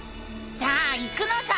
さあ行くのさ！